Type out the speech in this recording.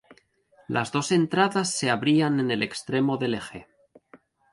Las dos entradas se abrían en el extremo del eje.